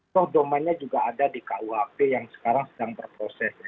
soh domennya juga ada di kuap yang sekarang sedang berfungsi